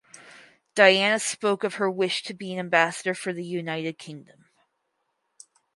Diana spoke of her wish to be an ambassador for the United Kingdom.